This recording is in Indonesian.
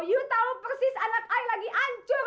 ibu tahu persis anak ibu lagi hancur